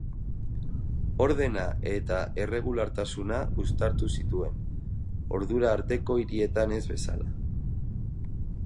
Ordena eta erregulartasuna uztartu zituen, ordura arteko hirietan ez bezala.